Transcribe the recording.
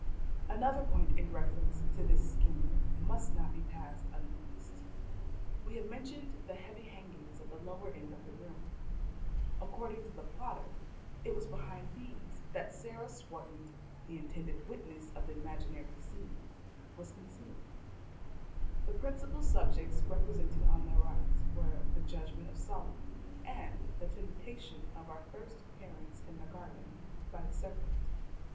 Another point in reference to this scheme must not be passed unnoticed. We have mentioned the heavy hangings at the lower end of the room. According to the plotter, it was behind these that Sarah Swarton the intended witness of the imaginary scene was concealed. The principal subjects represented on the arras were the Judgment of Solomon, and the Temptation of our first Parents in the Garden by the Serpent.